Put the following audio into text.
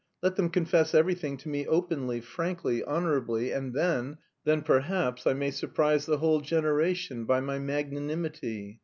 Let them confess everything to me openly, frankly, honourably and then... then perhaps I may surprise the whole generation by my magnanimity....